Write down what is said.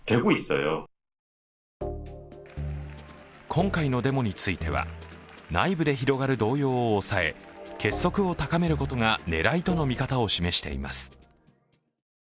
今回のデモについては、内部で広がる動揺を抑え、結束を高めることが狙いとの見方を示しています。